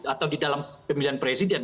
atau di dalam pemilihan presiden